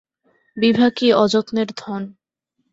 বিভা কি অযত্নের ধন!